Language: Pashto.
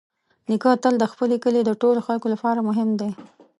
نیکه تل د خپل کلي د ټولو خلکو لپاره مهم دی.